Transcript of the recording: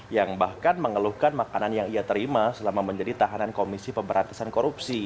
yang bahkan mengeluhkan makanan yang ia terima selama menjadi tahanan komisi pemberantasan korupsi